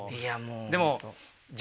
でも。